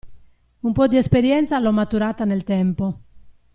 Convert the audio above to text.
Un po' di esperienza l'ho maturata nel tempo.